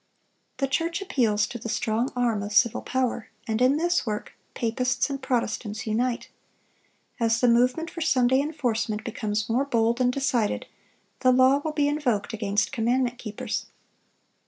The church appeals to the strong arm of civil power, and in this work, papists and Protestants unite. As the movement for Sunday enforcement becomes more bold and decided, the law will be invoked against commandment keepers.